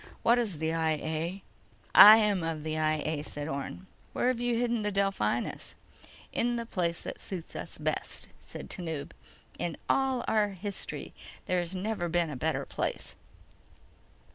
What is the I A?" "I am of the I A," said Orne. "Where've you hidden the Delphinus?" "In the place that suits us best," said Tanub. "In all our history there has never been a better place."